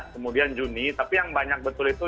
kemudian juni tapi yang banyak betul itu